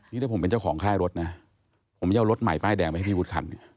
นี่ถ้าผมเป็นเจ้าของค่ายรถนะผมจะเอารถใหม่ป้ายแดงไปให้พี่วุฒิคันเนี่ย